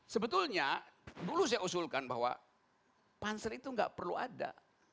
sebetulnya dulu saya usulkan bahwa pansel itu nggak perlu ada